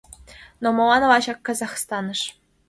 — Но молан лачак Казахстаныш?